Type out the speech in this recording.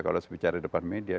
kalau saya bicara depan media